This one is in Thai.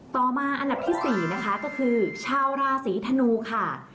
ต่อมาอันดับที่๔นะคะก็คือชาวราศีธนูค่ะ